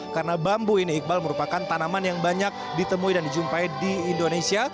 karena bambu ini iqbal merupakan tanaman yang banyak ditemui dan dijumpai di indonesia